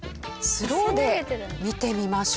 スローで見てみましょう。